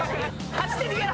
走って逃げろ！